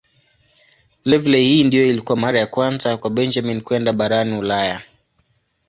Vilevile hii ndiyo ilikuwa mara ya kwanza kwa Benjamin kwenda barani Ulaya.